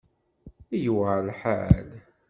I yewεer lḥal!